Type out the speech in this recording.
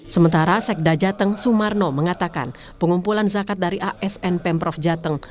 sementara sekda jateng sumarno mengatakan pengumpulan zakat dari asn pemprov jateng